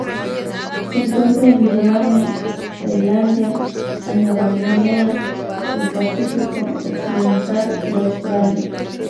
Se encuentra en Birmania, Tailandia a Nueva Guinea, el Pacífico occidental y Australia.